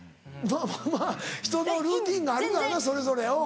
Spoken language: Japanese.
まぁまぁひとのルーティンがあるからなそれぞれおう。